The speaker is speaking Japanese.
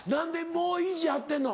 もう意地張ってんの？